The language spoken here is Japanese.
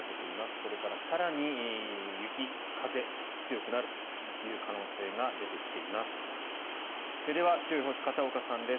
これから更に雪、風強くなるという可能性が出てきています。